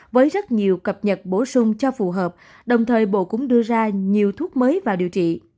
với rất nhiều cập nhật bổ sung cho phù hợp đồng thời bộ cũng đưa ra nhiều thuốc mới vào điều trị